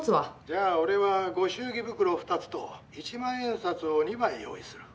じゃあ俺はご祝儀袋ふたつと、一万円札を二枚用意する。